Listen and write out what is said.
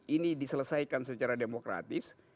ini diselesaikan secara demokratis